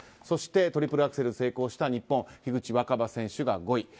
そしてトリプルアクセル成功した日本の樋口新葉選手が５位。